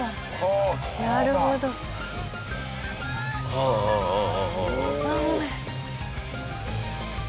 ああああああ。